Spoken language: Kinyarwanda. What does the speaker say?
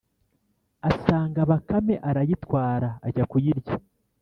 asanga bakame arayitwara ajya kuyirya.